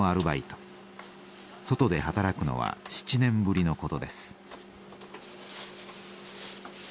外で働くのは７年ぶりのことです。